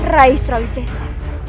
rai srawi sesa